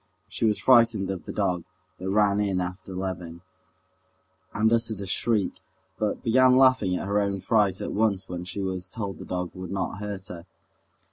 She was frightened of the dog, that ran in after Levin, and uttered a shriek, but began laughing at her own fright at once when she was told the dog would not hurt her.